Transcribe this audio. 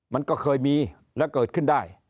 มันก็เคยมีและเกิดขึ้นได้